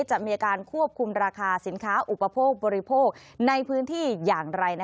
จะมีการควบคุมราคาสินค้าอุปโภคบริโภคในพื้นที่อย่างไร